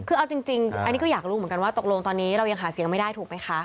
คือเอาจริงอันนี้ก็อยากรู้เหมือนกันว่าตกลงตอนนี้เรายังหาเสียงไม่ได้ถูกไหมคะ